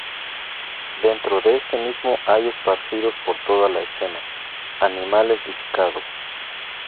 Dentro de este mismo hay esparcidos por toda la escena, animales disecados.